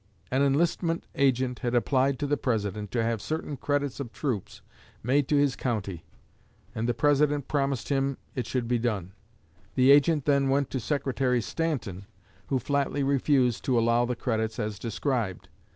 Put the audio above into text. An enlistment agent had applied to the President to have certain credits of troops made to his county, and the President promised him it should be done. The agent then went to Secretary Stanton, who flatly refused to allow the credits as described.